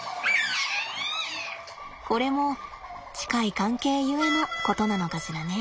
これも近い関係ゆえのことなのかしらね。